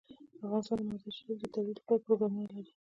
افغانستان د مزارشریف د ترویج لپاره پروګرامونه لري.